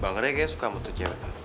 bangre kayak suka mototrack ya kak